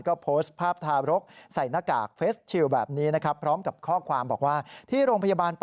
ก็โพสต์ภาพทารกใส่หน้ากากเฟสชิลแบบนี้นะครับ